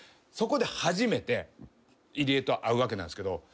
そこで初めて入江と会うわけなんすけど。